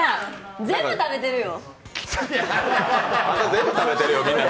全部食べてるよ。